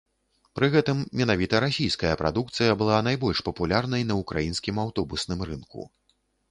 Пры гэтым менавіта расійская прадукцыя была найбольш папулярнай на ўкраінскім аўтобусным рынку.